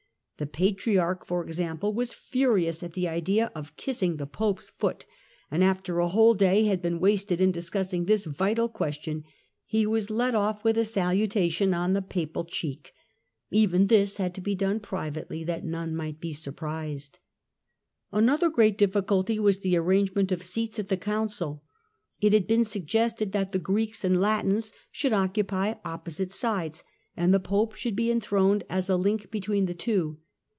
The Patriarch, for example, was furious at the idea of kissing the Pope's foot, and after a whole day had been wasted in discussing this vital question, he was let ofl:' with a salutation on the Papal cheek ; even this had to be done privately, that none might be surprised. An other great difficulty was the arrangement of seats at the Council. It had been suggested that the Greeks and Latins should occupy opposite sides, and the Pope should be enthroned as a link between the two.